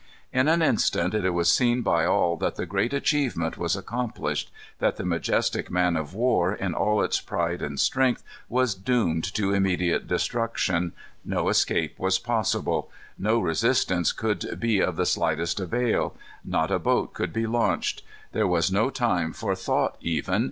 In an instant it was seen by all that the great achievement was accomplished; that the majestic man of war, in all its pride and strength, was doomed to immediate destruction. No escape was possible. No resistance could be of the slightest avail. Not a boat could be launched. There was no time for thought even.